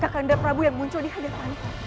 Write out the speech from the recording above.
kandai prabu yang muncul di hadapan